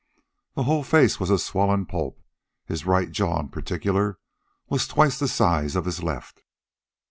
The whole face was a swollen pulp. His right jaw, in particular, was twice the size of the left.